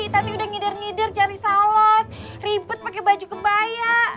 tati udah ngider ngider cari salon ribet pake baju kebaya